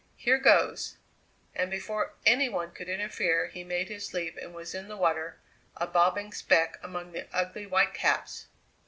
Here goes!" And before any one could interfere he made his leap and was in the water, a bobbing speck among the ugly white caps!